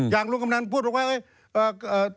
อย่างลุงกำหนังพูดลงไปว่า